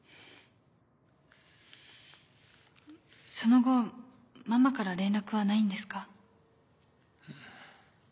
その後ママから連絡はないんですか？